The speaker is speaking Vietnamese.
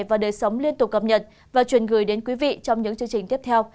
và đời sống liên tục cập nhật và truyền gửi đến quý vị trong những chương trình tiếp theo